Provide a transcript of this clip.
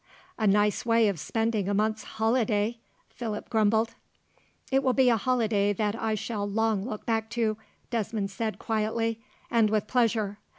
"A nice way of spending a month's holiday!" Philip grumbled. "It will be a holiday that I shall long look back to," Desmond said quietly, "and with pleasure.